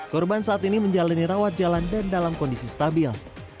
korban saat ini menjalani rawat jalan dan dalam kondisi stabil